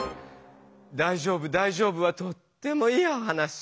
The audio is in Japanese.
「だいじょうぶだいじょうぶ」はとってもいい話。